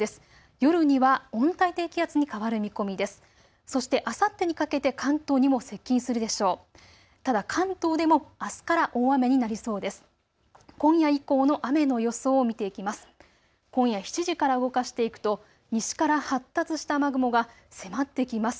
夜には温帯低気圧に変わる見込みです。